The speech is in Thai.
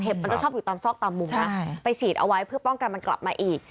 มันจะชอบอยู่ตามซอกตามมุมนะไปฉีดเอาไว้เพื่อป้องกันมันกลับมาอีก